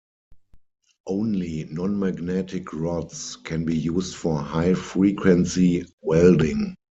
Only non-magnetic rods can be used for high-frequency welding.